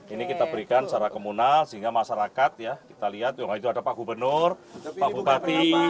ini kita berikan secara komunal sehingga masyarakat ya kita lihat itu ada pak gubernur pak bupati